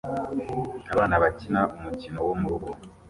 Abana bakina umukino wo murugo